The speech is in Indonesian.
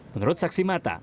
menurut saksi mata